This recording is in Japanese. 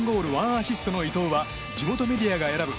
１アシストの伊東は地元メディアが選ぶ